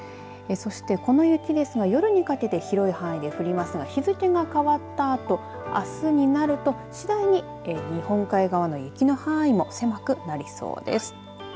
そしてこの雪ですが夜にかけて広い範囲で降りますが日付が変わったあとあすになると次第に日本海側の雪の範囲も狭くなりそうです。